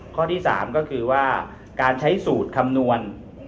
ข้อที่๓ก็คือว่าการใช้สูตรคำนวณ